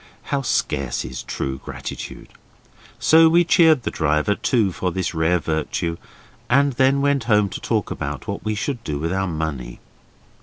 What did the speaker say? How scarce is true gratitude! So we cheered the driver too for this rare virtue, and then went home to talk about what we should do with our money.